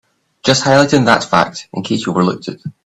Just highlighting that fact in case you overlooked it.